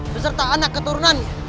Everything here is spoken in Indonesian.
berserta anak keturunannya